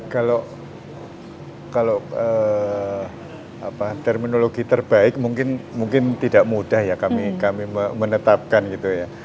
kalau terminologi terbaik mungkin tidak mudah ya kami menetapkan gitu ya